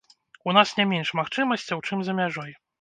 У нас не менш магчымасцяў, чым за мяжой.